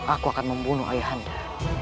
aku akan membunuh ayah anda